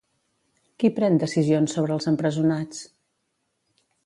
Qui pren decisions sobre els empresonats?